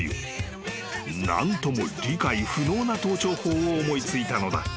［何とも理解不能な登頂法を思い付いたのだ］